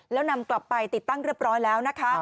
แล้วนำกลับไปติดตั้งเรียบร้อยแล้วนะคะ